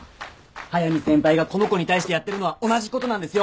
速見先輩がこの子に対してやってるのは同じことなんですよ！